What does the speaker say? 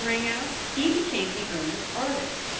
rang out he became the earnest artist.